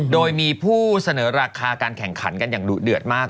โดยมีผู้เสนอราคาการแข่งขันกันอย่างดุเดือดมาก